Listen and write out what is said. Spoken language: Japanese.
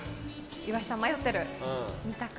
岩井さん、迷ってる。